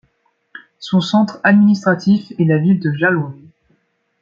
Son centre administratif est la ville de Jalaun.